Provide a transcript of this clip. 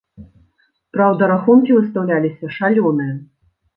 Праўда, рахункі выстаўляліся шалёныя.